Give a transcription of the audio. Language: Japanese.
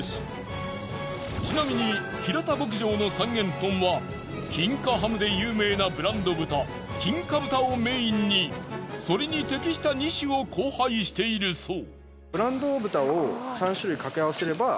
ちなみに平田牧場の三元豚は金華ハムで有名なブランド豚金華豚をメインにそれに適した２種を交配しているそう。